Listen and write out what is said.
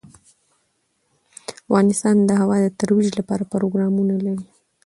افغانستان د هوا د ترویج لپاره پروګرامونه لري.